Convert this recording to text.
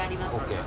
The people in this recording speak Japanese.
ＯＫ。